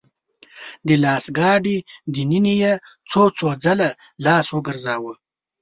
د لاس ګاډي دننه يې څو څو ځله خپل لاس وګرځاوه .